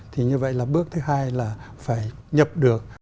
thì như vậy là bước thứ hai là phải nhập được